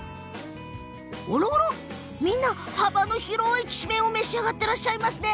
みんな、幅の広いきしめんを召し上がっていらっしゃいます。